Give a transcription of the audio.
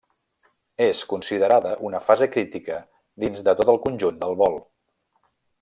És considerada una fase crítica dins de tot el conjunt del vol.